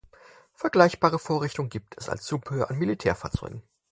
Vergleichbare Vorrichtungen gibt es als Zubehör an Militärfahrzeugen.